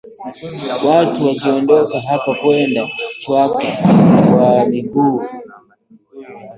watu wakiondoka hapa kwenda Chwaka kwa miguu